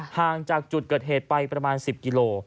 ห่างจากจุดเกิดเหตุไปประมาณ๑๐กิโล